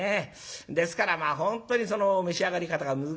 ですからまあ本当にその召し上がり方が難しい。